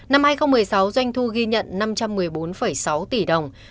năm hai nghìn một mươi sáu doanh thu ghi nhận năm trăm một mươi bốn sáu tỷ đồng